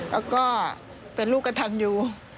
แล้วก็เป็นลูกกระทันอยู่